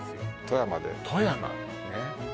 富山で富山ねっ